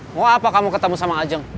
mau apa kamu ketemu sama ajeng